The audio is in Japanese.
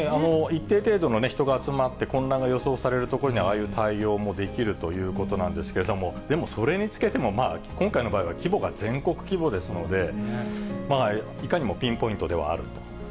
一定程度の人が集まって、混乱が予想されるところには、ああいう対応もできるということなんですけれども、でも、それにつけても、今回の場合は、規模が全国規模ですので、いかにもピンポイントではあると。